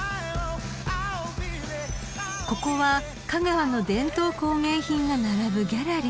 ［ここは香川の伝統工芸品が並ぶギャラリー］